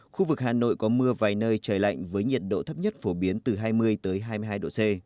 khu vực hà nội có mưa vài nơi trời lạnh với nhiệt độ thấp nhất phổ biến từ hai mươi hai mươi hai độ c